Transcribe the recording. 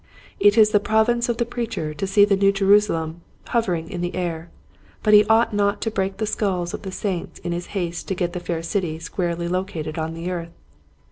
It is the province of the preacher to see the New Jerusalem hovering in the air, but he ought not to break the skulls of the saints in his haste to get the fair city squarely located on the earth.